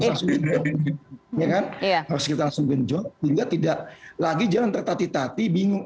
iya kan harus kita langsung genjol hingga tidak lagi jalan tertati tati bingung